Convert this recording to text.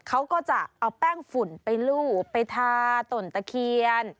เขาก็จะเอาแป้งฝุ่นไปลูบไปทาตนตะเคียน